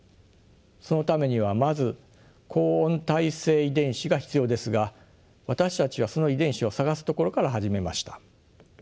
そのためにはまず高温耐性遺伝子が必要ですが私たちはその遺伝子を探すところから始めました。